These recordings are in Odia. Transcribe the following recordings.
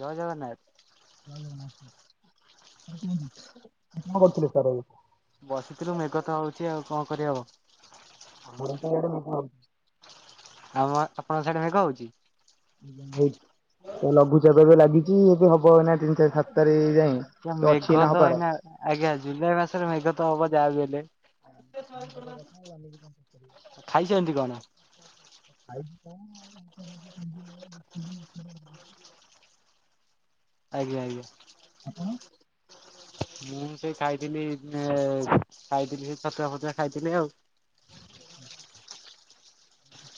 ଜୟ ଜଗନ୍ନାଥ। ହଁ କୁହନ୍ତୁ କଣ କରୁଥିଲେ ଖାରବେଳୁ? ବସିଥିଲୁ ମେଘ ତ ହଉଛି ଆଉ କଣ କରିହବ। ଆମ ର ତ ଇଆଡ଼େ ମେଘ ହମ ଆପଣଙ୍କ ସିଆଡେ ମେଘ ହଉଛି? ହଉଛି। ଏ ଲଘୁଚାପ ଏବେ ଲାଗିଛି ଏବେ ହବ ନା ତିନି ଚାରି ସାତ ତାରିଖ୍ ଯାଏଁ। ଆ ତ ଅଛି ମେଘ ତ ହବାର। ଏଇନା ଆଜ୍ଞା ଜୁଲାଇ ମାସରେ ମେଘ ତ ହବ ଯାହା ବି ହେଲେ। ଖାଇଛନ୍ତି କଣ? ଆଇ ଆଜ୍ଞା ଆଜ୍ଞା। ମୁଁ ସେ ଖାଇଥିଲି ଖାଇଥିଲି ସେ ଛତୁଆ ଫତୁଆ ଖାଇଥିଲି ଆଉ। [inaudible]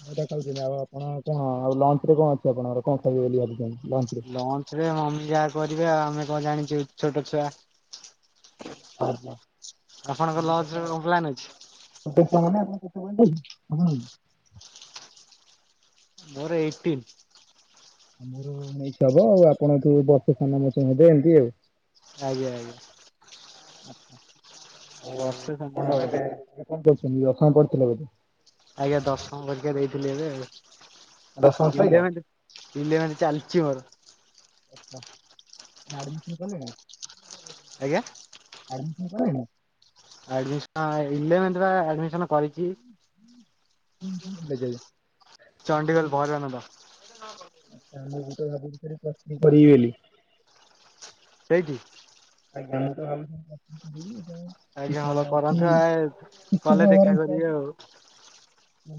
ମୁଁ ତ ଖାଇଥିଲି ଆଉ ଆପଣ କଣ ଆଉ ଲଞ୍ଚ ରେ କଣ ଅଛି ଆପଣଙ୍କର କଣ ଖାଇବେ ବୋଲି ଭାବିଛନ୍ତି? ଲଞ୍ଚ ରେ? ଲଞ୍ଚ ରେ ମମି ଯାହା କରିବେ ଆଉ ଆମେ କଣ ଜାଣିଛୁ ଛୋଟ ଛୁଆ। ଅହ ଆପଣଙ୍କ ଲଞ୍ଚ ରେ ଛୋଟ କଣ ପ୍ଲାନ୍ ଅଛି? ଛୁଆ ବୋଲି ନା [inaudible] ମୋର ଏଇଟିନ୍। ଆଉ ମୋର ମିକ୍ସ ହବ ଆଉ ଆପଣଠୁ ବର୍ଷେ ସାନ ମ ହେବେ ଏମତି ଆଉ। ଆଜ୍ଞା ଆଜ୍ଞା। ବର୍ଷେ କଣ ଖଣ୍ଡେ ହବ ଏବେ କଣ କହୁଛନ୍ତି ଦଶମ ପଢୁଥିଲ ବୋଧେ। ଆଜ୍ଞା ଦଶମ ପରିକ୍ଷା ଦେଇଥିଲି ଏବେ ଆଉ। ଦଶମ ସଇଲା? ଇଲେଭେଣ୍ଟ ଇଲେଭେନ୍ ଚାଲିଛି ମୋର। ଆଛା ଆଡମିସନ କଲେଣି? ଆଜ୍ଞା। ତମେ କଲଣି? ଆଡ଼ମିସନ ଇଲେଭେନ୍ଥେ ବା ଆଡ଼ମିସନ କରିଛି। ହ ବେଜେଜେ ଚଣ୍ଡୀଗଡ଼ ବହରା ନଦ ମୁଁ ବି ତ ଭାବିଥିଲି ପ୍ଲସ ଥ୍ରି କରିବି ବୋଲି। ସେଇଠି? ଆଜ୍ଞା ମୁଁ ତ ଭାବିଚିବମୁ ପ୍ଲସ ଥ୍ରି କରିବି। କି ଆଜ୍ଞା ଭଲ ଟି କରନ୍ତୁ ଆ ଟିକେ ଗଲେ ଦେଖା ତମଆଡେ ଇଛା କରିବେ ଅଛି। ଆଉ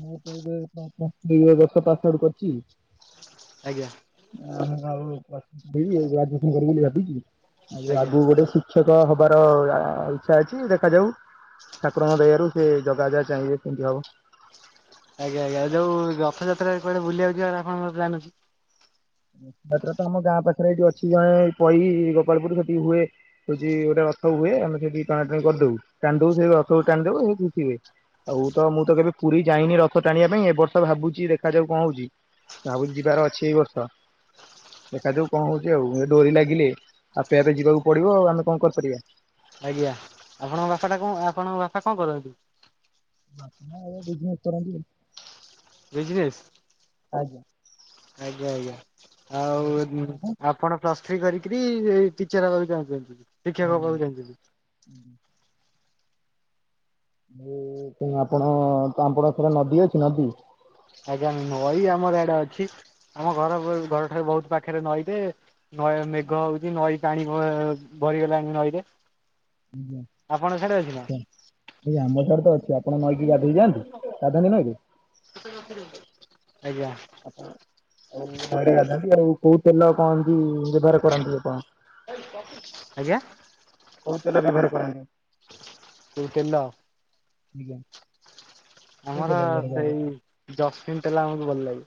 ମୁଁ ତ ଏବେ ପ୍ଲୁସ ଥ୍ରୀ [unintelligible] ଆଡୁ କରିଛି। ଆଜ୍ଞା ଆ ଆଉ ପ୍ଲସ ଥ୍ରି କରିବି ଗ୍ରାଜୁଏସନ କରିବି ବୋଲି ଭାବିଛି। ଆଉ ଆଜ୍ଞା। ଆଗକୁ ଗୋଟେ ଶିକ୍ଷକ ହବାର ଇଚ୍ଛା ଅଛି ଦେଖାଯାଉ। ଠାକୁରଙ୍କ ଦୟା ରୁ ସେ ଜଗା ଯାହା ଚାହିଁବେ ସେମିତି ହବ। ଆଜ୍ଞା ଆଜ୍ଞା ଆଉ ଯୋଉ ରଥଯାତ୍ରା କୁଆଡେ ବୁଲିିବାକୁ ଯିବାର ଆପଣଙ୍କର ପ୍ଲାନ୍ ଅଛି? ଯାତ୍ରା ତ ଆମ ଗାଁ ପାଖରେ ଏଇଠି ଅଛି ଜଣେ ପଇ ଗୋପାଳପୁର ସେଠି ହୁଏ ହଉଛି ଗୋଟେ ହୁଏ ଆମେ ସେଠି ଟଣାଟଣି କରିଦଉ ଟାଣି ଦଉ ସେ ରଥ କୁ ଟାଣିିଦଉ ସେ ଖୁସି ହୁଏ। ଆଉ ତ ମୁଁ ତ କେବେ ପୁରୀ ଯାଇନି ରଥ ଟାଣିବା ପାଇଁ ଏ ବର୍ଷ ଭାବୁଛି ଦେଖାଯାଉ କଣ ହଉଛି। ଆଉ ଯିବାର ଅଛି ଏଇ ବର୍ଷ। [inaudible] ଦେଖାଯାଉ କଣ ହଉଛି। ଆଉ ଏ ଡୋରି ଲାଗିଲେ ଆପେ ଆପେ ଯିବାକୁ ପଡିବ ଆଉ ଆମେ କଣ କରିପାରିବା। ଆଜ୍ଞା ଆପଣଙ୍କ ଭାଷା ଟା କଣ ଆପଣଙ୍କ ବାପା କଣ କରନ୍ତି? ବାପା ଆଁ ବିଜ୍ନେସ କରନ୍ତି । ବିଜନେସ୍? ଆଜ୍ଞା। ଆଜ୍ଞା ଆଜ୍ଞା ଆଉ ଏ ଆଜ୍ଞା। ଆପଣ ପ୍ଲସ ଚାକିରି କରିକିରି ଏଇ ଟିଚର ହେବାକୁ ଚାହୁଁ ଚି ଶିକ୍ଷକ ହେବାକୁ ଆଜ୍ଞା। ଚାହୁଁଥିଲି। ତ ଆପଣ ଆପଣଙ୍କର ନଦୀ ଅଛି ନଦୀ? ଆଜ୍ଞା ନଈ ଆମର ଆଡେ ଅଛି ଆମ ଘର ଘରଠାରୁ ବହୁତ ପାଖରେ ନଈ ଟେ। ନଈ ମେଘ ହଉଛି ନଈ ପାଣି ଭ ଭରିଗଲାଣି ନଈରେ। ଉଁ ହୁଁ। ଆପଣ ସିଆଡ଼େ ଅଛି ନା? ଆଜ୍ଞା ଏଇ ଆମ [unintelligible] ତ ଅଛି ଆପଣ ନଈକି ଗାଧେଇଯାଆନ୍ତି ଗାଧାନ୍ତି ନାହିଁ କି? ରଖି ରଖି [unintelligible] ଆଉ ବାଡ଼ିଆ ଡାଲି ଆଉ କୋଉ ତେଲ କଣ କି ବେପାର କରନ୍ତି ଆପଣ? ଆଜ୍ଞା କୋଉ ତେଲ ବ୍ୟବହାର କରନ୍ତି? ଯୋଉ ତେଲ ଆଜ୍ଞା। କୋଉ ଆମର ତେଲ ବ୍ୟବହାର କରନ୍ତି? ସେଇ ଯଶମିନ ତେଲ ଆମକୁ ଭଲଲାଗେ।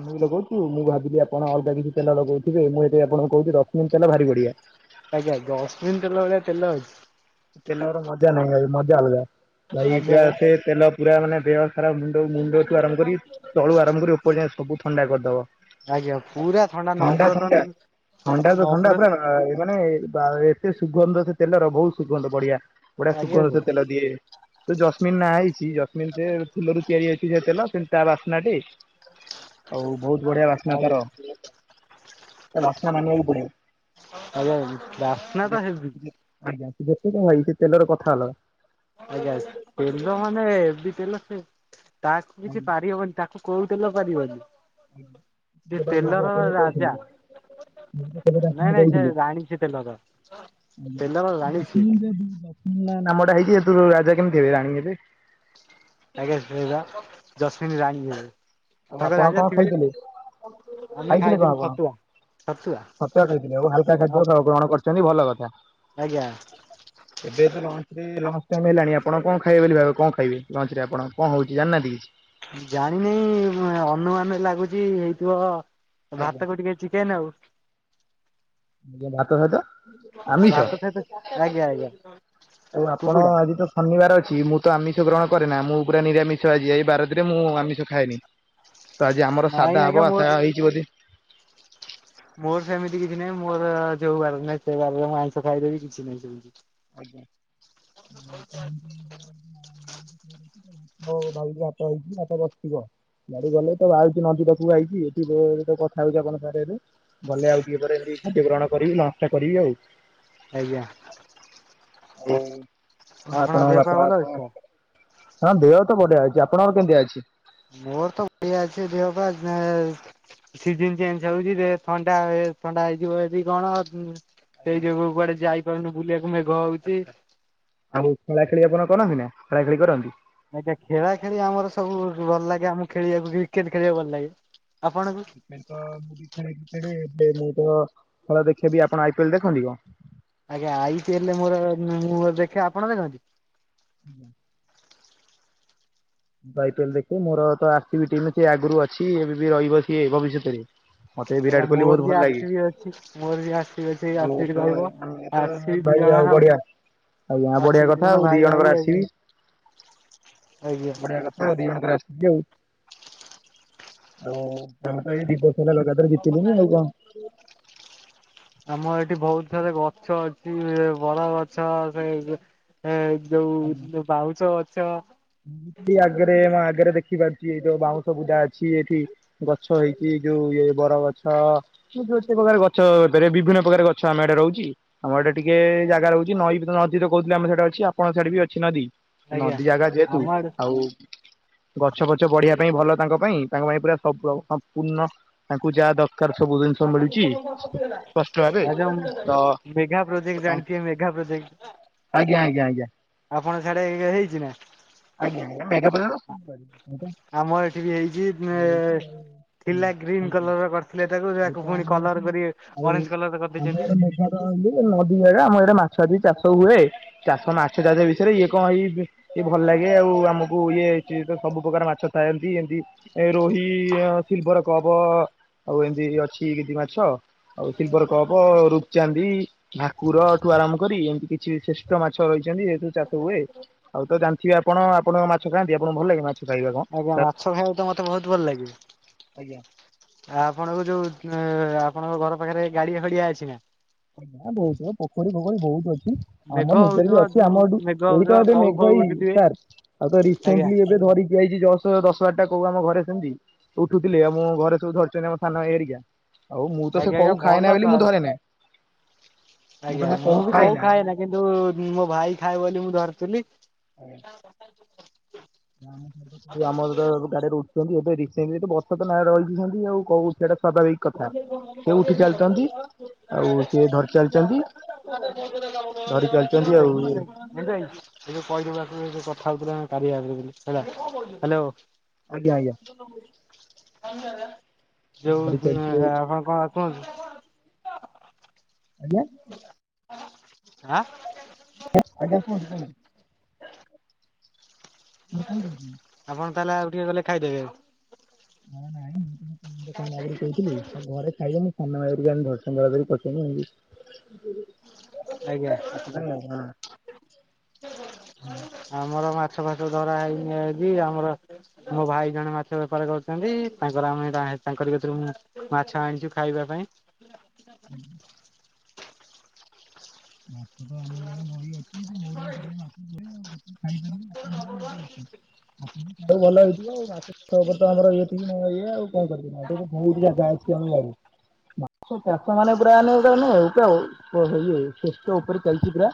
ଆମେ ବି ଲଗଉଛୁ ମୁଁ ଭାବିଲି ଆପଣ ଅଲଗା କିଛି ତେଲ ଲଗଉଥିବେ ମୁଁ ଏଥିପାଇଁ ଆପଣଙ୍କୁ କହୁଛି ଜସ୍ମିନ୍ ତେଲ ଭାରି ବଢିଆ। ଆଜ୍ଞା ଜସ୍ମିନ୍ ତେଲ ଭଳିଆ ତେଲ ଅଛି। ତେଲର ମଜା ନାହିଁ ଭାଇ ମଜା ଅଲଗା ଭାଇ ଆଜ୍ଞା ପୁରା ବା ସେ ତେଲ ପୁରା ମାନେ ଦେହ ଖରା ମୁଣ୍ଡ ମୁଣ୍ଡଠୁ ଆରମ୍ଭ କରି ତଳୁ ଆରମ୍ଭ କରି ଉପର ଯାଏଁ ସବୁ ଥଣ୍ଡା କରିଦବ। ଆଜ୍ଞା ପୁରା ଥଣ୍ଡା ନବରତନ ଥଣ୍ଡା ଥଣ୍ଡା ତ ଥଣ୍ଡା ନବରତ ପୁରା ମାନେ ବା ଏତେ ସୁଗନ୍ଧ ସେ ତେଲର ବହୁତ ସୁଗନ୍ଧ ବଢିଆ। ବଢିଆ ଆଜ୍ଞା ସୁଗନ୍ଧ ତେଲ ଦିଏ ଜସ୍ମିନ୍ ନା ହେଇଚି [unintelligible] ଯଶମିନରେ ଫୁଲରୁ ତିଆରି ଅଛି ସେ ତେଲ ତେଣୁ ତା ବାସ୍ନା ଟି ହଉ ବହୁତ ବଢିଆ ବାସ୍ନା ତାର ଆଜ୍ଞା ତା ବାସ୍ନା ମାନିବାକୁ ପଡିବ। ଆ [unintelligible] ବାସ୍ନା ତ ହେବି। ଆଜ୍ଞା ଯେତେ କହ ଭାଇ ସେ ତେଲର କଥା ଅଲଗା। ଆଜ୍ଞା ତେଲ ମାନେ ହେବି ତେଲ ସେ ତାକୁ କିଛି ପାରିହବନି ତାକୁ କୋଉ ତେଲ ପାରିବନି। ସେ ଆଜ୍ଞା ଗୋଟା ତେଲର ଯେମିତି ଆପଣଙ୍କୁ ରାଜା କହୁଥିଲି ମୁଁ ଖବର ନାଇଁ ଆପଣ ନାଇଁ ସେ କହୁଥିଲୁ। ରାଣୀ ସେ ତେଲର ତେଲର ରାଣୀ ସିଏ। ଆଜ୍ଞା [unintelligible] ନାମଟା ହେଇକି ରାଜା କେମିତି ହେବେ ରାଣୀ ହେବେ। [unintelligible] ଜସ୍ମିନ୍ ରାଣୀ ହେବେ। ଆଉ ତାଙ୍କ ଆପଣ ରାଜା କଣ ଥିବେ ଖାଇଥିଲେ? ଆମେ ଖାଇଥିଲେ କଣ ଖାଇଥିଲୁ ଆପଣ ଛତୁଆ। ଛତୁଆ ଖାଇଥିଲେ ଓ ହାଲକା ଅ ଖାଦ୍ୟ ଆଉ ଗ୍ରହଣ କରିଛନ୍ତି। ଚନ୍ତି ଭଲ କଥା ଆଜ୍ଞା ଏବେ [unintelligible] ଟାଇମ୍ ହେଲାଣି ଆପଣ କଣ ଖାଇବେ ବୋଲି ଭାବି କଣ ଖାଇବେ ଲଞ୍ଚ ରେ ଆପଣ କଣ ହଉଛି ଜାଣି ନାହାନ୍ତି କିଛି? ଜାଣିନେଇ ନୁହେଁ ଅନୁମାନରେ ଲାଗୁଛି ହେଇଥିବ। ଆଜ୍ଞା ଭାତ କୁ ଟିକେ ଚିକେନ ଆଉ। ମୁଁ ଭାତ ସହିତ ଆମିଷ ଭାତ ସହିତ ଆଜ୍ଞା ଆଜ୍ଞା ଆଉ ଆପଣ କୁକୁଡା ଆଜି ତ ଶନିବାର ଅଛି ମୁଁ ତ ଆମିଷ ଷ ଗ୍ରହଣ କରେ ନା ମୁଁ ପୁରା ନିରାମିଷ ଆଜି ଏଇ ବାରରେ ମୁଁ ଆମିଷ ଖାଏନି। ତ ଆଜି ଆମର ନାଇଁ ସାଧା ଆଜ୍ଞା ହବ ମୋର ଆଶା ହେଇଛି ବୋଧେ। ମୋର ସେମିତି କିଛି ନାହିଁ ମୋର ଯୋଉ ବାରରେ ନାହିଁ ସେ ବାରରେ ମୁଁ ଆମିଷ ଖାଇଦେବି କିଛି ନାହିଁ ସେମିତି। ଆଜ୍ଞା ହୁଁ ଉଁ ଉଁ ହଉ ଭାଇ [unintelligible] ବାଡ ଗଲେ ତ ଆଉଛି ନଦୀଟାକୁ ଆଇଛି ଏଠି ଯୋଉ କଥା ହଉଛି ଆପଣଙ୍କ ସାଙ୍ଗରେ ଏବେ ଗଲେ ଆଉ ଟିକେ ପରେ ଯଦି ଖାଦ୍ୟ ଗ୍ରହଣ କରିବି ନଷ୍ଟ କରିବି ଆଉ। ଆଜ୍ଞା। ଆପଣଙ୍କ ଦେହ ପା ବାପା ଭଲ ଅଛି ଆପଣ ତ? ହଁ ଦେହ ବଢିଆ ଅଛି ଆପଣଙ୍କର କେମିତି ଅଛି? [unintelligible] ସିଜିନ୍ ଚେଞ୍ଜ ହଉଛି ଥଣ୍ଡା ଥଣ୍ଡା ହେଇଯିବ ଯଦି କଣ? ଆଜ୍ଞା ସେଇ ଯୋଗୁ କୁଆଡେ ଯାଇପାରୁନି ବୁଲିବାକୁ ହଉଛି। ଆଚ୍ଛା ଆଉ ଖେଳା ଖେଳି ଆପଣ କରନ୍ତି ନା ଖେଳା ଖେଳି କରନ୍ତି? ଆଜ୍ଞା ଖେଳା ଖେଳି ଆମର ସବୁ ଭଲ ଲାଗେ ଆମକୁ ଖେଳିବାକୁ କ୍ରିକେଟ ଖେଳିବାକୁ ଭଲ ଲାଗେ। ଆପଣଙ୍କୁ ସେଥିପାଇଁ ତ ମୁଁ ବି ଖେଳେ ଏବେ ମୁଁ ତ ଖେଳ ଦେଖେ ବି ଆପଣ ଆଇ ପି ଏଲ୍ ଦେଖନ୍ତି କଣ? ଆଜ୍ଞା ଆଇ ପି ଏଲ ମୋର ମୁଁ ଦେଖେ, ଆପଣ ଦେଖନ୍ତି? [inaudible] ଆଇ ପି ଏଲ ଦେଖେ ମୋର ତ ଆର ସି ବି ଟିମ ସେ ଆଗରୁ ଅଛି ଏବେ ବି ରହିବ ସିଏ ଭବିଷ୍ୟତରେ। ମତେ ବି ଆଜ୍ଞା ବିରାଟ କୋହଲି ମୋର ବହୁତ ବି ଭଲ ଆର ସି ଲାଗେ। ବି ଅଛି ମୋର ବି ଆର ସି ବି ଅଛି ଆର ଆଉ ସି ବି ତ ରହିବ। [unintelligible] ଆର ସି ବି ଦି ଜଣ ଆଉ ବଢିଆ, ଆଜ୍ଞା ଆର ବଢିଆ କଥା ଆଉ ଦି ଜଣଙ୍କର ଆର ସି ବି। ଆ ବଢିଆ କଥା ଆଉ ଦି ଜଣଙ୍କର ଆର୍ ସି ବି ଆଉ। ଆଉ ତମେ ତ ଏଇ ଦି ବର୍ଷ ହେଲା ଲଗାତର ଜିତିଲଣି ଆଉ କଣ? ଆମର ଏଠି ବହୁତ ସାରା ଗଛ ଅଛି। ବରଗଛ ସେ ଏ ଯୋଉ ବାଉଁଶ ଗଛ ରୋହି ଆଗେରେ ମା ଆଗେରେ ଦେଖ ଦେଖିପାରୁଛି ଏଇ ଯୋଉ ବାଉଁଶ ବୁଦା ଅଛି ଏଠି, ଗଛ ହେଇଛି ଯୋଉ ଇଏ ବରଗଛ ଭଉତୁ ପ୍ରକାର ଗଛ ହେଇପାରେ, ବିଭିନ୍ନ ପ୍ରକାର ଗଛ ଆମେ ଆଡ଼େ ରହୁଚି। ଆମ ଆଡ଼େ ଟିକେ ଜାଗା ରହୁଛି ନଈ ବି ନଦୀ ତ କହୁଥିଲେ ଆମ ସାଡେ ଅଛି ଆପଣଙ୍କ ସାଡେ ବି ଅଛି ନଦୀ। ଆଜ୍ଞା ନଦୀ ଜାଗା ଯେହେତ ତୁ ଆମ ଆଡେ ଆଉ ଗଛ ପଛ ବଢିବା ପାଇଁ ଭଲ ତାଙ୍କ ପାଇଁ ତାଙ୍କ ପାଇଁ ପୁରା ସବ ପୁରା ସଂପୂର୍ଣ୍ଣ ତାଙ୍କୁ ଯାହା ଦବ ଆଜ୍ଞା ସ୍ପଷ୍ଟ ଭାବେ ମ୍ ତ ମେଘା ପ୍ରୋଜେକ୍ଟ ଜାଣିଥିବେ ମେଘା ରେ ଦେଖ ଆଜ୍ଞା ଆଜ୍ଞା ଆଜ୍ଞା। ଆପଣକ ସାଡେ ଇଏ ହେଇଛି ନା? ଆଜ୍ଞା ଆଜ୍ଞା। [unintelligible] ଆମର ଏଠି ବି ହେଇଛି ଉଁ ଏ ଥିଲା ଗ୍ରୀନ୍ ଆଜ୍ଞା। କଲର ର କରିଥିଲେ ତାକୁ ଆଉ ସେୟାକୁ ତ ଆମ ଏଠି ଆଉ ଆମ କରିଦେଇଛନ୍ତି। ଆଡ଼େ ମେଘ ତ ଇଏ ନଦୀ ଜାଗା ଆମ ଇଆଡ଼େ ମାଛ ଆଦି ଚାଷ ସବୁ ହୁଏ ଚାଷ ମାଛ ଚାଷ ବିଷୟରେ ଇଏ କଣ ଏଇ ଇଏ ଭଲ ଲାଗେ ଆଉ ଆମକୁ ଇଏ ହେଇଛି ତ ସବୁ ପ୍ରକାର ମାଛ ଥାଆନ୍ତି, ଏମତି ଏ ରୋହି ସିଲଭର କପ୍ ଆଉ ଏମତି ଅଛି କିଛି ମାଛ ଆଉ ସିଲଭର କପ, ରୁପଚାନ୍ଦି ଭାକୁରଠୁ ଆରମ୍ଭ କରି ଏମତି କିଛି ଶ୍ରେଷ୍ଠ ମାଛ ରହିଚନ୍ତି ଯେହେତୁ ଚାଷ ହୁଏ। ଆଉ ତ ଜାଣି ଅଛି ଆପଣ, ଆପଣଙ୍କ ମାଛ ଖାଆନ୍ତି? ଆପଣଙ୍କୁ ଭଲ ଲାଗେ ମାଛ? ଖାଇବା କଣ ଆଜ୍ଞା। ସାର୍? ମାଛ ଖାଇଆକୁ ତ ମତେ ବହୁତ ଭଲ ଲାଗେ ଆଜ୍ଞା। ଆପଣଙ୍କୁ ଯୋଉ ଉଁ ଆପଣଙ୍କ ଘର ପାଖରେ ଗାଡିଆ ଫାଡିଆ ଅଛି ନା? ଆଜ୍ଞା ବହୁତ ପୋଖରୀ ଫୋଖରୀ ବହୁତ ଅଛି। ଉଁ ମେଘ ଆମର ନିଜର ହଉଥିବ ବି ଅଛି, ଆମ ଏଠୁ ମେଘ ହଉଥିବ ଏଇତ ଏବେ କଉ ଫଉ ମେଘ ହେଇ ଉଠୁଥିବେ ସାର୍ ଆଉ ତ ଆଜ୍ଞା ରିସେଣ୍ଟଲି ଏବେ ଧରିକି ଆଇଚି ଜଷ୍ଟ ତ ଦଶ ବାରଟା କଉ ଆମ ଘରେ ସେମତି ଉଠୁଥିଲେ, ଆଉ ଘରେ ସବୁ ଧରିଛନ୍ତି ଆମ ସାନ ଭାଇ ହେରିକା ଆଉ ମୁଁ ତ ସେ ଆଜ୍ଞା ଆଜ୍ଞା କଉ ଭଲ ଖାଏନା ତ ବୋଲି ମୁଁ ଆଉ। ଧରେନେଇଁ ଆଜ୍ଞା। ମୁଁ ବି କଉ ଖାଏନା କିନ୍ତୁ ମୋ ଭାଇ ଖାଏ ବୋଲି ମୁଁ ଧରିଥିଲି [unintelligible] ଯୋଉ ଆମର ଯୋଉ କାଡେ ରୁପଚାନ୍ଦୀ ଏବେ ରିସେଣ୍ଟଲି ତ ବର୍ଷା ତ ନାଁ ରହିଛି ସେନ୍ତି ଆଉ କହୁ ସେଇଟା ସ୍ୱାଭାବିକ ଏଞ୍ଜୟ ଏବେ କଥା। ସେ ଉଠି କହିଦେବୁ ଚାଲିଚନ୍ତି ଆକୁ ଏ ଆଉ ସିଏ ଧରି ଚାଲିଚନ୍ତି [unintelligible] ତୁ ଆଉ ମୁଁ ଯୋଉ କଥା ହଉଥିଲେ ଆମେ କାରିୟା ଆପରେ ବୋଲି ଆଜ୍ଞା ଆଜ୍ଞା ହେଲା ହ୍ୟାଲୋ। [inaudible] ଯୋଉ ଧରି ଚାଲିଛି ଆପଣ କଣ ଆଉ କୁହନ୍ତୁ? ଆଜ୍ଞା ଆଁ? ଆଜ୍ଞା। କୁହନ୍ତୁ କୁହନ୍ତୁ। ମୋର କଣ କହୁଥିଲି ଆପଣ ତାହେଲେ ଆଉ ଟିକେ ଗଲେ ଖାଇଦେବେ ଏଇଠି। ନା ନାଇଁ ମୁଁ ତ କଣ ଆଗରୁ କହୁଥିଲି ଘରେ ଖାଇବ ସାନ ଭାଇ ଘରିକା ଏମିତି ଧରୁଛନ୍ତି ଆଉଥରେ ପଶିଗନି। ଆଜ୍ଞା ମାଛ ଧରିନୁ ହଁ। ଆମର ମା ମାଛ ଫାସ ଧରା ହେଇକି ଆଇଚି ଆମର ମୋ ଭାଇ ଜଣେ ମାଛ ବେପାର କରୁଛନ୍ତି ତାଙ୍କର ଆମେ ବା ଏ ତାଙ୍କରି କତିରୁ ମୁଁ ମାଛ ଆଣିଛୁ ଖାଇବା ପାଇଁ। [unintelligible] ମାଛ ତ ଆମ ଇଆଡ଼େ ନଈ ଅ [inaudible] ଭଲ ହେଇଥିବ ଆଉ ମାଛ ତମର ତ୍ ଆମର ଇଏ ଠିକ ନା ଏଇ ଆଉ କଣ କରିବି ମୁଁ ଆଉ ତାକୁ ବହୁତ ବଣ୍ଟା ହେଇଚି ଅନଲାଇନ୍। ମାଛ ଚାଷ ମାନେ ପୁରା ମାନେ ମାନେ ଉପ ପୁରା ଉପ ପ ଇଏ। ଶେଷ୍ଟ ଉପରେ ଚାଲିଛି ପୁରା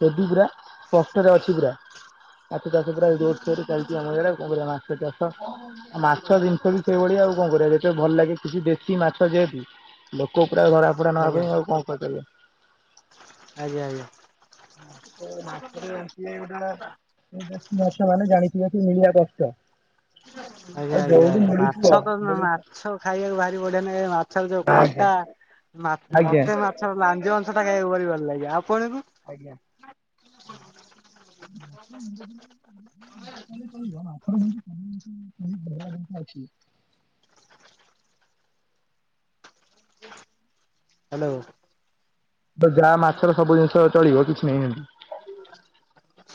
ସେଦି ପୁରା ସ୍ପଷ୍ଟରେ ଅଛି ପୁରା। ମାଛ ଚାଷ ପୁରା ଜୋରସୋରରେ ଚାଲିଛି ଆମ ଇଆଡେ ଆଉ କଣ କରିବା ମାଛ ଚାଷ ଆଉ ମାଛ ଜିନିଷ ବି ସେଇଭଳି ଆଉ କଣ କରିବା ଯେତେ ଭଲ ଲାଗେ କିଛି ଦେଶୀ ମାଛ ଯେହେତୁ। ଲୋକ ପୁରା ଧଡା ଫଡା ନବା ଆଜ୍ଞା ପାଇଁ ଆଉ କଣ କରିପାରିବା? ଆଜ୍ଞା ଆଜ୍ଞା। ଆଉ ମାଛ ମାଛର ଯେମିତି ଇଏ ଗୋଟାକ ଆସେ। ଦେଶୀ ମାଛ ମାନେ ଜାଣିଥିବେ କି ମିଳିଆ କଷ୍ଟ। ଆଜ୍ଞା ଆଉ ଆଜ୍ଞା ଯୋଉଠି ମିଳୁଥିବ ମାଛ ତ ମିଳୁଥିବ ମ-ମାଛ ଖାଇବାକୁ ଭାରି ବଢିଆ ନାଗେ ମାଛର ଯୋଉ ଆଜ୍ଞା କଣ୍ଟା। ମା ଆଜ୍ଞା ମତେ ମାଛର ଲାଞ୍ଜ ଅଂଶ ଟା ଖାଇବାକୁ ଭାରି ଭଲ ଲାଗେ ଆପଣକୁ ଆଜ୍ଞା। [inaudible] ଚଳିବ ଆପଣ ଙ୍କୁ ବି କମ୍ୱିନେସନ [inaudible] ଅଛି। ହ୍ୟାଲୋ ତ ଯାହା ମାଛର ସବୁ ଜିନିଷ ଚଳିବ କିଛି ନାହିଁ ଏମିତି।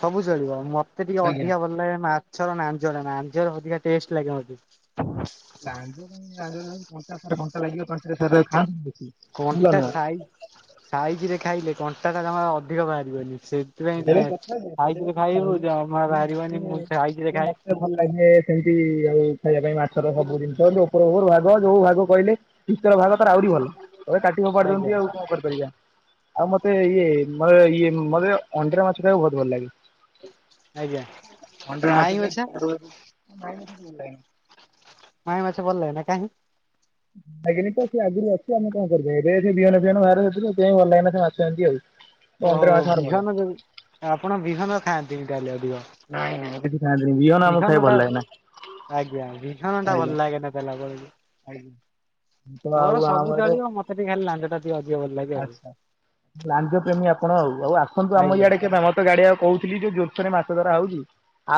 ସବୁ ଚଳିବ ମତେ ଟିକେ ଆଜ୍ଞା ଅଧିକା ଭଲ ଲାଗେ ମା ଛର ନାଞ୍ଜଟା ନାଞ୍ଜର ଅଧିକା ଟେଷ୍ଟ ଲାଗେ ମତେ। ଲାଞ୍ଜ କାଇଁ ଲାଞ୍ଜରେ କଣ୍ଟା ଫଣ୍ଟା। କଣ୍ଟା ସାଇ ସାଇଜ ରେ ଖାଇଲେ କଣ୍ଟାଟା ଜମା ଅଧିକ ବାହାରିବନି। ସେଥିପାଇଁ ଏଇ ଗୋଟେ ସାଇଜରେ କଥା ଖାଇବୁ ଜମା ବାହାରିବନି ମୁଁ ସାଇଜରେ [inaudible] ଖାଏ ମତେ ଭଲ ଲାଗେ ସେ କି ଏଇ ଖାଇବା ପାଇଁ ମାଛର ସବୁ ଜିନିଷ ଯଉ ଉପରୁ ଉପରୁ ଭାଗ ଯୋଉ ଭାଗ କହିଲେ। ଭିତର ଭାଗ ତାର ଆହୁରି ଭଲ ଏ କାଟି ଖୋପାଡି ଆଜ୍ଞା। ଦଉଚନ୍ତି ଆଉ କଣ କରି ପାରିବା? ଆଉ ମତେ ଇଏ ମତେ ଇଏ ମତେ ଅଣ୍ଡିରା ମାଛ ଖାଇବାକୁ ବହୁତ ଭଲ ଲାଗେ। ଆଜ୍ଞା ଅଣ୍ଡିରା ମାଛ ଯେ ସେଠୁ ମାଈ ମାଛ ମତେ ଭଲ ଲାଗେନି। ମାଈ ମାଛ ଭଲ ଲାଗେନା କାଇଁକି? ଲାଗେନି ତ ସେ ଆଗରୁ ଅଛି ଆମେ କଣ କରିବା ଏବେ ସେ ବିହନ ଫିହନ ସାର୍ ଦଉଥିଲେ ସେଥିପାଇଁ ଭଲ ଲାଗେନା ସେ ମାଛ ଏମିତି ଆଉ। ଅଣ୍ଡିରା ଓହୋ ମାଛ ଆମର ଭଲ। ବିହନ ଯ ଆପଣ ବିହନ ଖାଆନ୍ତିନି ତାହେଲେ। ଅଧିକ? ନାଇ ନାଇ ଏଠି କେହି ଖାଆନ୍ତିନି ବିହନ ଆମକୁ ଖାଇବାକୁ ବିହନଟା ଭଲ ଲାଗେନା। ଆଜ୍ଞା ବିହନ ଟା ଆଜ୍ଞା ଭଲ ଲାଗେନା ତାହେଲେ ଆପଣଙ୍କୁ। ତ ଆଉ ମୋର ଆମ ସବୁ ଆଡେ ଚଳିବ ମତେ ଟିକେ ଖାଲି ଲାଞ୍ଜଟା ଟିକେ ଅଧିକ ଭଲ ଲାଗେ ଆଉ। ଆଚ୍ଛା। ଲାଞ୍ଜ ପ୍ରେମୀ ଆପଣ ଆଉ ଆଉ ଆସନ୍ତୁ ଆମ ଆଜ୍ଞା। ଇଆଡେ କେବେ ଆମର ତ ଗାଡିଆ କହୁଥିଲି ଯେ ଯୋଉ ଛରେ ମାଛ ଧରା ହଉଛି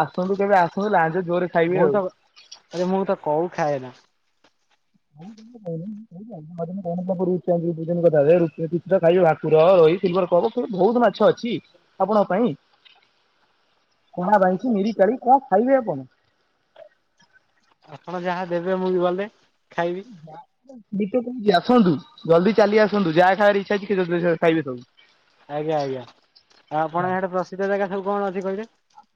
ଆସନ୍ତୁ କେବେ ଆସନ୍ତୁ ଲାଞ୍ଜ ଜୋରରେ ଖାଇବେ ମୁଁ ଆଉ ତ ଆରେ ମୁଁ ତ କଉ ଖାଏ ନା। [inaudible] ଖାଇବେ ଭାକୁର ରୋହି ସିଲଭର ସବୁ। ବହୁତ ମାଛ ଅଛି ଆପଣଙ୍କ ପାଇଁ। କଳା ବାଇଁଷି ମିରିକାଳି କଣ ଖାଇବେ ଆପଣ? ଆପଣ ଯାହା ଦେବେ ମୁଁ ଗଲେ। ଖାଇବି ଯାହା ଏ ଦିତେ କଛି ଆସନ୍ତୁ ଜଲଦି ଚାଲି ଆସନ୍ତୁ ଯାହା ଖାଇବାର ଇଚ୍ଛା ଅଛି ଯଦି ଖାଇବେ ସବୁ। ଆଜ୍ଞା ଆଜ୍ଞା ଆଉ ଆପଣ ଏଠେ ପ୍ରସିଦ୍ଧ ଜାଗା ସବୁ କଣ ଅଛି କହିବେ?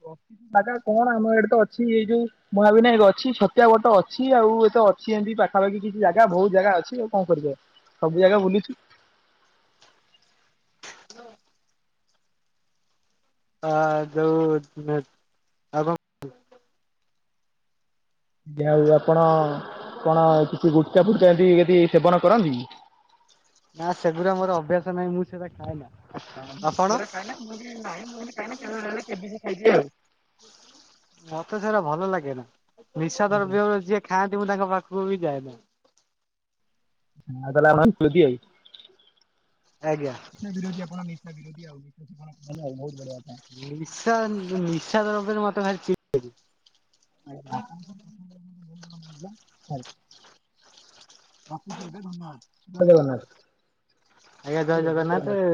ଉ ଅ ଜାଗା କଣ ଆମ ଏଡେ ତ ଅଛି ଏଇ ଯୋଉ ମହାବିନାୟକ ଅଛି ଛତିଆ ବଟ ଅଛି ଆଉ। ତ ଅଛି ଏମତି ପାଖାପାଖି କିଛି ଜାଗା ବହୁତ ଜାଗା ଅଛି ଆଉ। କଣ କରିବେ ସବୁ ଜାଗା ବୁଲିଛି। ହ ଯଉ ଆଗ ଯା ହୋଉ ଆଉ ଆପଣ କଣ କିଛି ଗୁଟକା ଫୁଟୁକା ଏଠି ଏଠି ସେବନ କରନ୍ତି? ନା ସେଗୁଡା ଆମର ଅଭ୍ୟାସ ନାହିଁ ମୁଁ ସେରା ଆଛା ମୁଁ ବି ସେରା ଖାଏନି ନାଇଁ ଏରା ମୁଁ ଖାଏନି କିଏ ଦେଇଦେଲେ ଖାଇଦିଏ। ମତେ ସେଟା ଭଲ ଲାଗେ ନା ନିଶା ଆଜ୍ଞା ଦ୍ରବ୍ୟ ଯିଏ ଖାଆନ୍ତି ମୁଁ ତାଙ୍କ ପାଖକୁ କୁ ଯାଏନା। ଆଉ ତାହେଲେ ଆପଣ [inaudible] [inaudible] ଆଜ୍ଞା। ବିରୋଧ ଆଉ ବହୁ ବଢିଆ। କଥା। ନିଶା ନିଶା ଦ୍ରବ୍ୟ ମତେ ଭାରି ଚି ବା ଧନ୍ୟବାଦ ଜଗନ୍ନାଥ। ଆଜ୍ଞା ଜୟ ଜଗନ୍ନାଥ ଏ